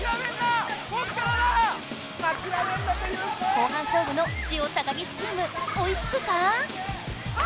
後半勝負のジオ高岸チームおいつくか？